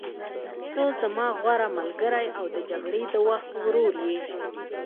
ته زما غوره ملګری او د جګړې د وخت ورور یې.